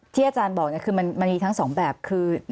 ที่อาจารย์บอกคือมันมีทั้งสองแบบคือ